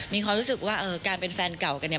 มีความรู้สึกว่าการเป็นแฟนเก่ากันเนี่ย